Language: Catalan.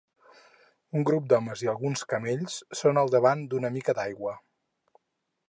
Un grup d'homes i alguns camells són al davant d'una mica d'aigua.